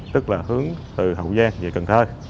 tức là hướng từ hậu giang về cần thơ